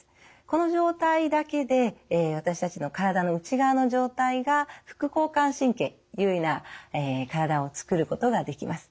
この状態だけで私たちの体の内側の状態が副交感神経優位な体を作ることができます。